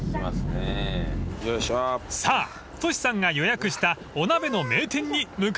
［さあトシさんが予約したお鍋の名店に向かいましょう］